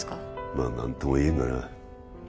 まあ何とも言えんがな